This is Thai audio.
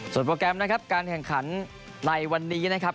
โปรแกรมนะครับการแข่งขันในวันนี้นะครับ